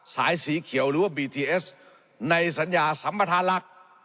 สายสีเขียวหรือว่าบีทีเอสในสัญญาสัมประธานหลัก